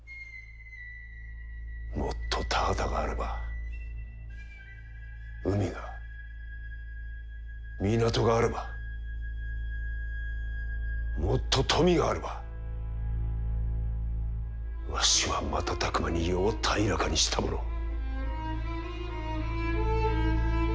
もっと田畑があれば海が港があればもっと富があればわしは瞬く間に世を平らかにしたものを。